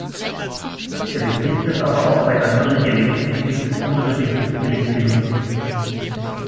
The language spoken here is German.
Der Begriff wird aber auch bei anderen Gelenken, insbesondere dem Hüftgelenk, benutzt.